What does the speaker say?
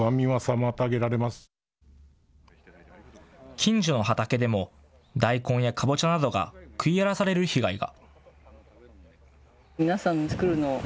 近所の畑でも大根やかぼちゃなどが食い荒らされる被害が。